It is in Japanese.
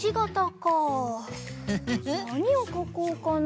なにをかこうかな。